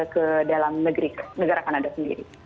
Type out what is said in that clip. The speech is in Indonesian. ke dalam negeri negara kanada sendiri